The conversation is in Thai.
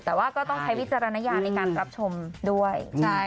แต่ว่าก็ต้องใช้วิจารณญาณในการรับชมด้วย